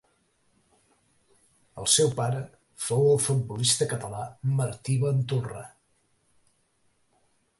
El seu pare fou el futbolista català Martí Ventolrà.